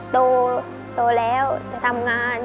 โตแล้วจะทำงาน